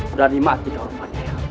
tidak ada tuhan kami tidak punya uang